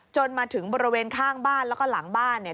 จนถึงบริเวณข้างบ้านแล้วก็หลังบ้านเนี่ย